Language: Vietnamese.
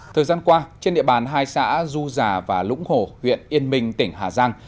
thời gian qua trên địa bàn hai xã du già và lũng hồ huyện yên minh tỉnh hà giang